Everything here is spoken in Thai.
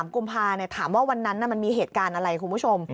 กุมภาถามว่าวันนั้นมันมีเหตุการณ์อะไรคุณผู้ชม